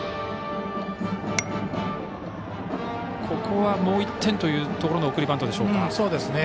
ここは、もう１点というところの送りバントでしょうか。